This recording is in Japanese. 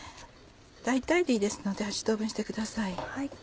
大体でいいですので８等分してください。